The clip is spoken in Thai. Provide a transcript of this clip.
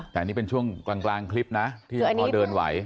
แต่นี่เป็นช่วงกลางคลิปนะที่เขาเดินไหว